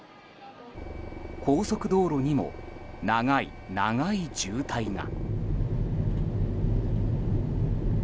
高速道路にも長い長い渋滞が。